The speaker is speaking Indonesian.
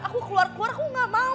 aku keluar keluar aku gak mau